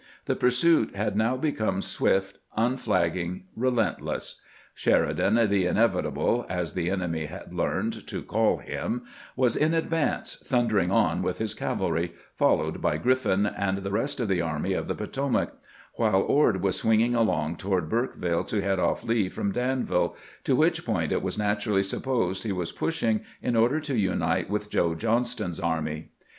The pursuit had now become swift, unflagging, relentless, Sheri dan, " the inevitable," as the enemy had learned to call IN HOT PUKSUIT OF LEE 453 him, was in advance, tliiindering on witli tis cavalry, followed by Q riffin and the rest of the Army of the Potomac ; while Ord was swinging along toward Burke ville to head off Lee from Danville, to which point it was naturally supposed he was pushing in order to unite with Joe Johnston's army.